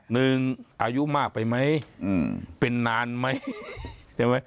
หนึ่งอายุมากไปไหมเป็นนานไหม